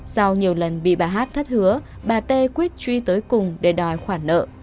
sau nhiều lần bị bà hát thất hứa bà tê quyết truy tới cùng để đòi khoản nợ